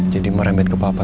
jadi mau remit ke papa